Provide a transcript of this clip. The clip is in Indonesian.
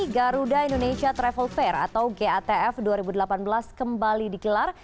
garuda indonesia travel fair atau gatf dua ribu delapan belas kembali digelar